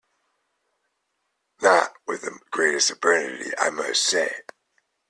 Not with the greatest urbanity, I must say.